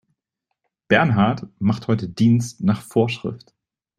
Bernhard macht heute Dienst nach Vorschrift.